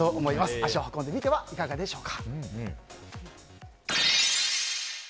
足を運んでみてはいかがでしょうか。